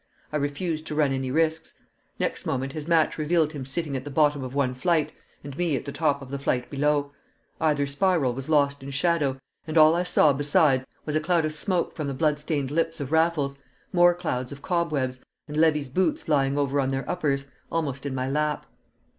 I refused to run any risks. Next moment his match revealed him sitting at the bottom of one flight, and me at the top of the flight below; either spiral was lost in shadow; and all I saw besides was a cloud of smoke from the blood stained lips of Raffles, more clouds of cobwebs, and Levy's boots lying over on their uppers, almost in my lap.